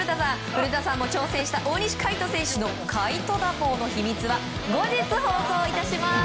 古田さんも挑戦した大西魁斗選手のカイト打法の秘密は後日放送いたします。